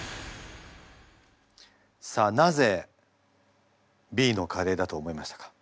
さあなぜＢのカレーだと思いましたか？